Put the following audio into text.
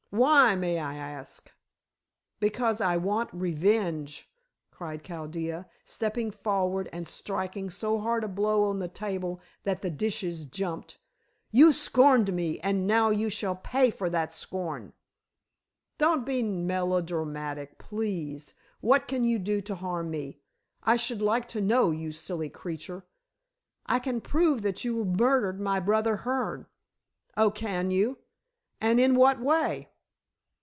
"Why, may I ask?" "Because I want revenge," cried Chaldea, stepping forward and striking so hard a blow on the table that the dishes jumped. "You scorned me, and now you shall pay for that scorn." "Don't be melodramatic, please. What can you do to harm me, I should like to know, you silly creature?" "I can prove that you murdered my brother Hearne." "Oh, can you, and in what way?"